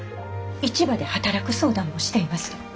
市場で働く相談もしています。